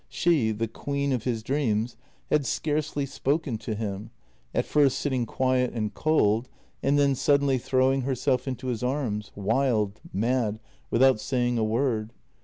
She, the queen of his dreams, had scarcely spoken to him, at first sitting quiet and cold and then suddenly throwing herself into his arms, wild, mad, without saying a word.